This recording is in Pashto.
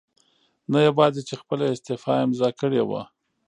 نه یواځې چې خپله استعفاء امضا کړې وه